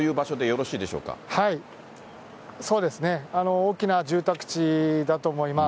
大きな住宅地だと思います。